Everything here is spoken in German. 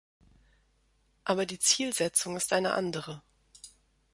Aber die Zielsetzung ist eine andere.